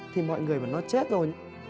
thì mọi người mà nó chết rồi